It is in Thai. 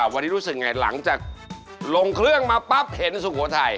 วันนี้รู้สึกไงหลังจากลงเครื่องมาปั๊บเห็นสุโขทัย